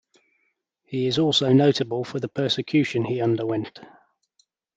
He is also notable for the persecution he underwent.